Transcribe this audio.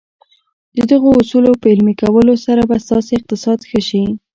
د دغو اصولو په عملي کولو سره به ستاسې اقتصاد ښه شي.